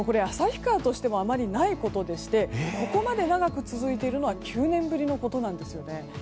旭川としてもあまりないことでしてここまで長く続いているのは９年ぶりのことなんです。